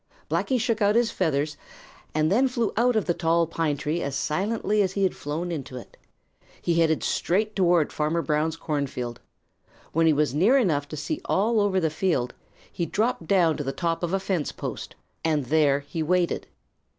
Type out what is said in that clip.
Blacky shook out his feathers and then flew out of the tall pine tree as silently as he had flown into it. He headed straight toward Farmer Brown's cornfield. When he was near enough to see all over the field, he dropped down to the top of a fence post, and there he waited.